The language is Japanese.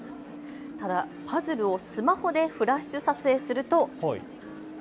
ただパズルをスマホでフラッシュ撮影すると。